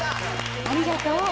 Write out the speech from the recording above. ありがとう。